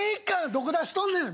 どこ出しとんねん！